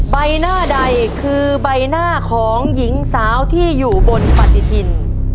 ใบหน้าใดคือใบหน้าของหญิงสาวที่อยู่บนปฏิทิน